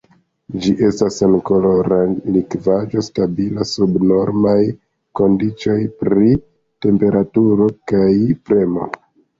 Ĝi estas senkolora likvaĵo, stabila sub normaj kondiĉoj pri temperaturo kaj premo.